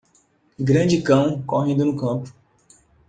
Grande cão correndo no campo.